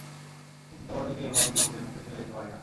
কিন্তু তোমাদেরকে এভাবে বিপদের মুখে ঠেলে দিতে পারি না।